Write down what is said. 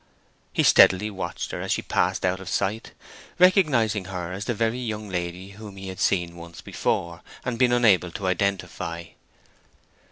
He steadily watched her till she had passed out of sight, recognizing her as the very young lady whom he had seen once before and been unable to identify.